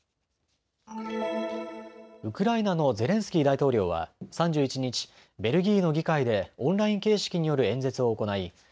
ウクライナのゼレンスキー大統領は３１日、ベルギーの議会でオンライン形式による演説を行い